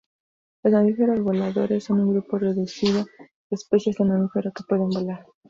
Los "mamíferos voladores" son un grupo reducido de especies de mamíferos que pueden volar.